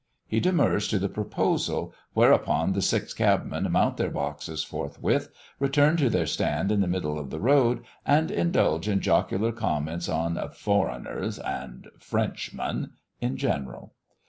He demurs to the proposal, whereupon the six cabmen mount their boxes forthwith, return to their stand in the middle of the road, and indulge in jocular remarks on "foreigners," and "Frenchmen" in general.